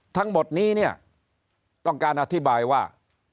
ทั้งหมดนี้เนี่ยต้องการอธิบายว่า